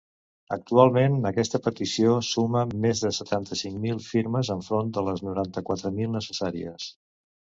Actualment aquesta petició suma més de setanta-cinc mil firmes enfront de les noranta-quatre mil necessàries.